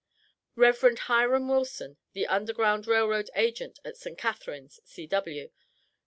Rev. Hiram Wilson, the Underground Rail Road agent at St. Catharines, C.W.